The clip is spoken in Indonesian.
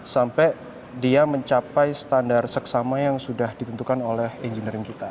sampai dia mencapai standar seksama yang sudah ditentukan oleh engineering kita